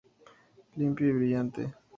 Limpio y brillante.